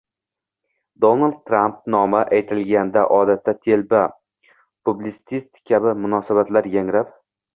Donald Tramp nomi aytilganda odatda «telba», «populist» kabi munosabatlar yangrab